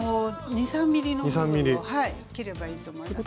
２３ｍｍの部分を切ればいいと思います。